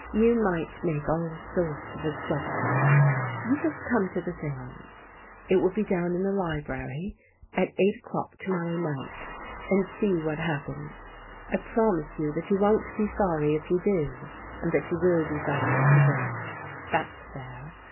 You might make all sorts of objections. You just come to the seance — it will be down in the library — at eight o'clock to morrow night, and see what happens. I promise you that you won't be sorry if you do, and that you will be sorry if you don't. That's fair.